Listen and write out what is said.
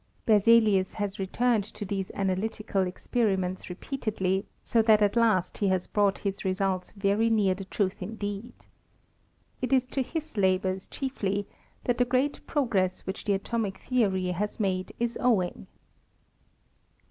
Berzelius has returned to these analytical experi ments repeatedly, so that at last he has brought his results very near the truth indeed. It is to his labours chiefly that the great progress which the atomic theory has made is owing.